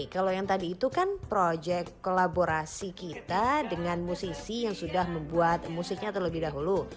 kalau yang tadi itu kan proyek kolaborasi kita dengan musisi yang sudah membuat musiknya terlebih dahulu